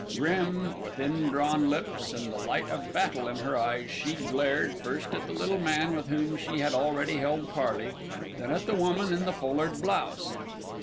Grim, with indrawn lips and the light of battle in her eyes she glared, first at the little man with whom she had already held parley, then at the woman in the foulard blouse.